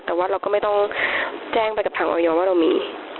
แต่ว่าเราก็ไม่ต้องแจ้งไปกับทางออยว่าเรามี